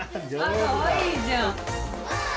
かわいいじゃん。